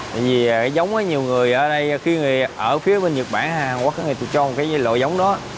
tại vì cái giống nhiều người ở đây khi người ở phía bên nhật bản hay hàn quốc thì cho một cái lội giống đó